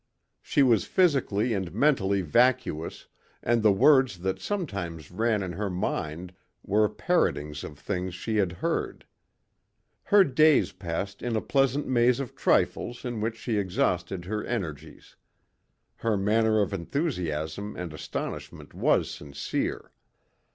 She was physically and mentally vacuous and the words that sometimes ran in her mind were parrotings of things she had heard. Her days passed in a pleasant maze of trifles in which she exhausted her energies. Her manner of enthusiasm and astonishment was sincere.